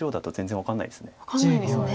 分かんないですね。